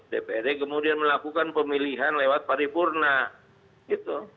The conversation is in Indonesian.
dprd kemudian melakukan pemilihan lewat paripurna gitu